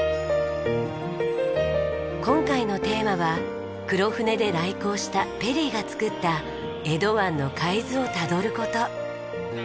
今回のテーマは黒船で来航したペリーが作った江戸湾の海図を辿る事。